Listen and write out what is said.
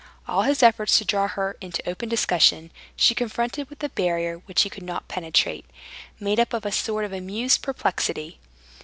All his efforts to draw her into open discussion she confronted with a barrier which he could not penetrate, made up of a sort of amused perplexity.